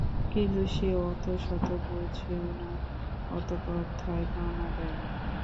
কিন্তু সে অত শত বুঝেও না, অত কথায় কানও দেয় না।